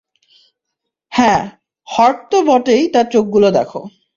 হ্যাঁ, হট তো বটেই তার চোখগুলো দেখ!